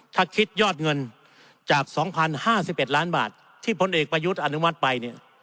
ถ้าคิดยอดเงินจาก๒๐๕๑ล้านบาทที่พลเอกประยุทธ์อนุมัติไปเนี่ย